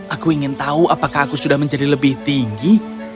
aku ingin tahu apakah aku sudah menjadi lebih tinggi